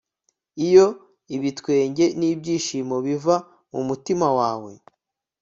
iyo ibitwenge n'ibyishimo biva mu mutima wawe